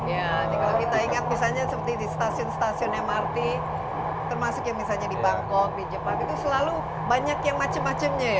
ya ini kalau kita ingat misalnya seperti di stasiun stasiun mrt termasuk yang misalnya di bangkok di jepang itu selalu banyak yang macam macamnya ya